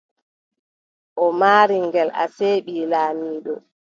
O maari ngel, asee, ɓii laamiiɗo.